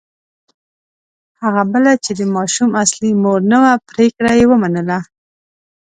هغه بله چې د ماشوم اصلي مور نه وه پرېکړه یې ومنله.